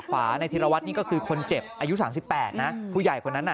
ขวาในธิรวัตรนี่ก็คือคนเจ็บอายุ๓๘นะผู้ใหญ่คนนั้นน่ะ